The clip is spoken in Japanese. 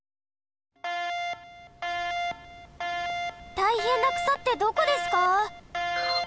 たいへんな草ってどこですか？